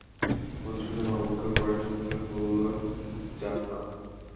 মধুসূদন অবজ্ঞা করে সংক্ষেপে বললে, যাক-না।